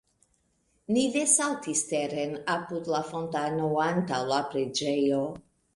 Ni desaltis teren apud la fontano, antaŭ la preĝejo.